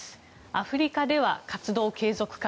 アフリカでは、活動継続か。